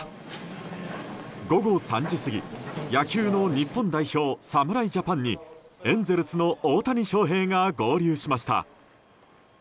午後３時過ぎ、野球の日本代表侍ジャパンにエンゼルスの大谷翔平が合流しました。